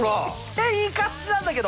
えっいい感じなんだけど。